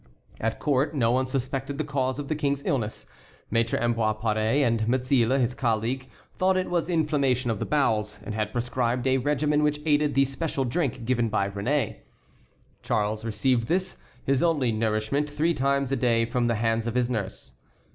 At court no one suspected the cause of the King's illness. Maître Ambroise Paré and Mazille, his colleague, thought it was inflammation of the bowels, and had prescribed a regimen which aided the special drink given by Réné. Charles received this, his only nourishment, three times a day from the hands of his nurse.